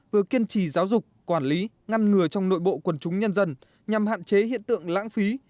vừa kiên trì giáo dục quản lý ngăn ngừa trong nội bộ quần chúng nhân dân nhằm hạn chế hiện tượng lãng phí